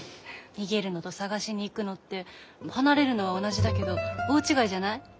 逃げるのと探しに行くのって離れるのは同じだけど大違いじゃない？